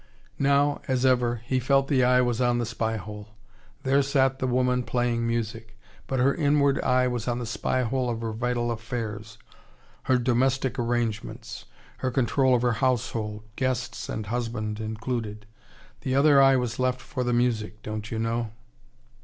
Now, as ever, he felt the eye was on the spy hole. There sat the woman playing music. But her inward eye was on the spy hole of her vital affairs her domestic arrangements, her control of her household, guests and husband included. The other eye was left for the music, don't you know.